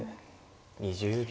２０秒。